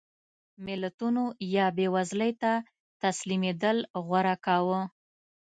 ملتونو یا بېوزلۍ ته تسلیمېدل غوره کاوه.